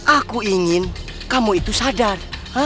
aku ingin kamu itu sadar